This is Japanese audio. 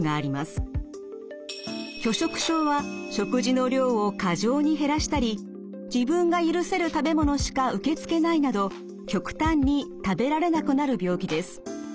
拒食症は食事の量を過剰に減らしたり自分が許せる食べ物しか受け付けないなど極端に食べられなくなる病気です。